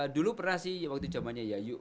dulu pernah sih waktu jamannya yayuk